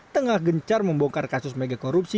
tengah gencar membongkar kasus megakorupsi